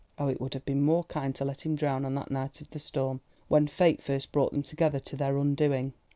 Oh, it would have been more kind to let him drown on that night of the storm, when fate first brought them together to their undoing.